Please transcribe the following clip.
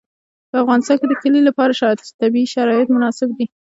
په افغانستان کې د کلي لپاره طبیعي شرایط مناسب دي.